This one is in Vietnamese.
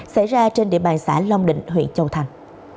xảy ra trên địa bàn xã long định huyện châu thành